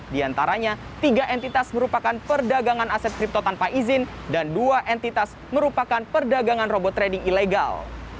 di antaranya tiga entitas merupakan perdagangan aset kripto tanpa izin dan dua entitas merupakan perdagangan robot trading ilegal